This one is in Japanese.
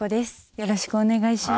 よろしくお願いします。